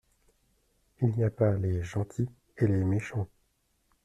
Il n’y a pas les « gentils » et les « méchants ».